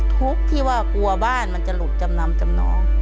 ทุกข์ที่ว่ากลัวบ้านมันจะหลุดจำนำจำนอง